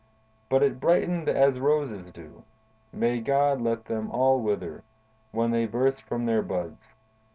But it brightened as roses do—may God let them all wither!—when they burst from their buds.